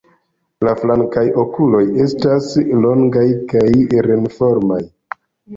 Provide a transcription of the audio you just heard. La flankaj okuloj estas longaj kaj ren-formaj.